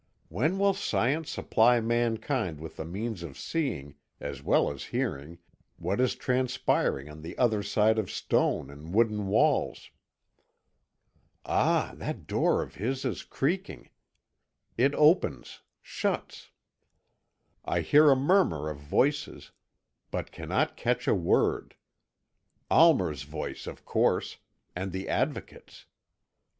When will science supply mankind with the means of seeing, as well as hearing, what is transpiring on the other side of stone and wooden walls? "Ah, that door of his is creaking. It opens shuts. I hear a murmur of voices, but cannot catch a word. Almer's voice of course and the Advocate's.